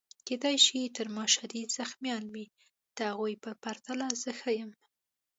کیدای شي تر ما شدید زخمیان وي، د هغو په پرتله زه ښه یم.